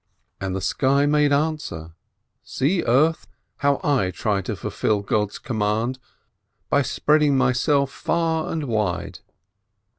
And the sky made answer : "See, earth, how I try to fulfil God's command, by spreading myself far and wide